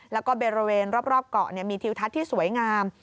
แล้วก็บริเวณรอบเกาะมีทิวทัศน์ที่สวยงาม